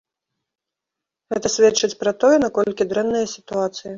Гэта сведчыць пра тое, наколькі дрэнная сітуацыя.